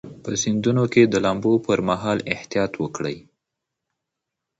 په سیندونو کې د لامبو پر مهال احتیاط وکړئ.